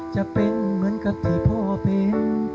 จะเป็นเหมือนกับที่พ่อเป็น